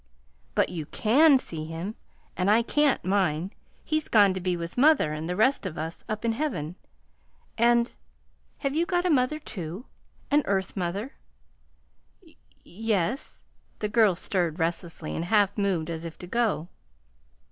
"But you CAN see him and I can't, mine. He's gone to be with mother and the rest of us up in Heaven, and Have you got a mother, too an earth mother?" "Y yes." The girl stirred restlessly, and half moved as if to go.